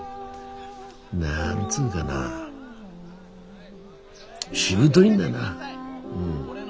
何つうがなしぶといんだな。